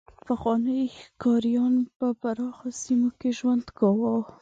پخواني ښکاریان به په پراخو سیمو کې ژوند کاوه.